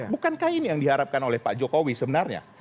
bukankah ini yang diharapkan oleh pak jokowi sebenarnya